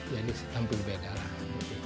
jadi tampil beda lah